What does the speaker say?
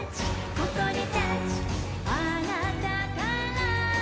ここにタッチあなたから」